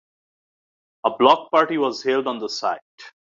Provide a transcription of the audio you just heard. A block party was held on the site.